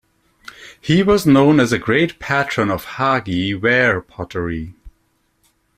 He was known as a great patron of Hagi ware pottery.